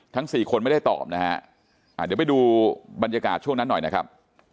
สี่คนไม่ได้ตอบนะฮะเดี๋ยวไปดูบรรยากาศช่วงนั้นหน่อยนะครับ